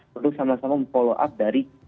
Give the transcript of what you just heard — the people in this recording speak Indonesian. perlu sama sama memfollow up dari